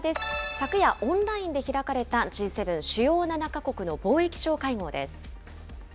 昨夜、オンラインで開かれたＧ７・主要７か国の貿易相会合です。